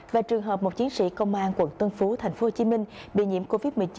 và trường hợp một chiến sĩ công an quận tân phú tp hcm bị nhiễm covid một mươi chín